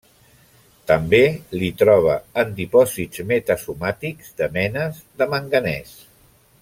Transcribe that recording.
També l'hi troba en dipòsits metasomàtics de menes de Manganès.